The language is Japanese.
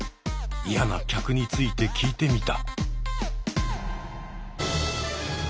嫌な客について聞いてみた。